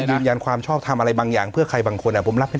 ยืนยันความชอบทำอะไรบางอย่างเพื่อใครบางคนผมรับให้